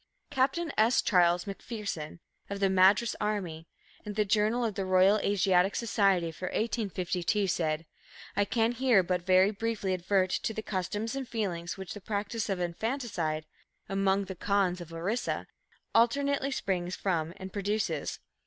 Captain S. Charles MacPherson, of the Madras Army, in the Journal of the Royal Asiatic Society for 1852, said: "I can here but very briefly advert to the customs and feelings which the practice of infanticide (among the Khonds of Orissa) alternately springs from and produces.